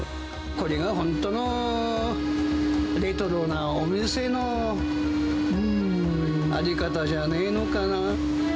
これが本当のレトロなお店の在り方じゃねぇのかな。